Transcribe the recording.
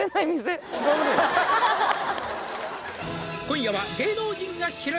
「今夜は」